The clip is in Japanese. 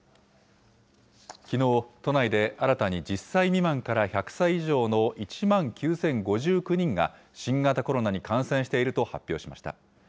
きのう、都内で新たに１０歳未満から１００歳以上の１万９０５９人が新型コロナに感染していると発表しました。